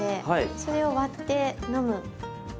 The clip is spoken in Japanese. それを割って飲む。